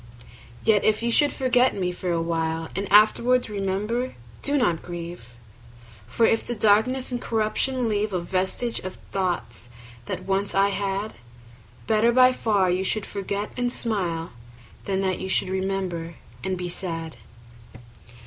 Yet if you should forget me for a while And afterwards remember, do not grieve: 10 For if the darkness and corruption leave A vestige of the thoughts that once I had, Better by far you should forget and smile Than that you should remember and be sad.